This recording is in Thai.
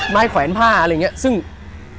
ไม้แขวนผ้าอะไรอย่างนี้